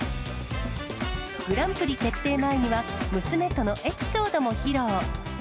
グランプリ決定前には、娘とのエピソードも披露。